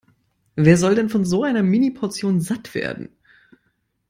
Wer soll denn von so einer Mini-Portion satt werden?